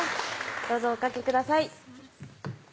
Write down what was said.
どうぞおかけください